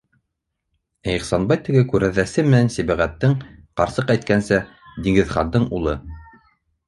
Ә Ихсанбай теге күрәҙәсе менән Сибәғәттең, ҡарсыҡ әйткәнсә, Диңгеҙхандың улы!